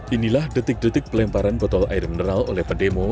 inilah detik detik pelemparan botol air mineral oleh pendemo